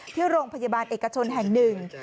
ที่โรงพยาบาลเอกชนแห่งหนึ่ง